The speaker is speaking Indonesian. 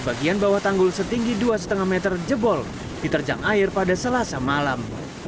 bagian bawah tanggul setinggi dua lima meter jebol diterjang air pada selasa malam